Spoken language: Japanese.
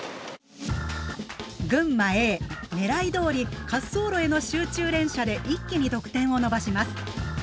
群馬Ａ狙いどおり滑走路への集中連射で一気に得点を伸ばします。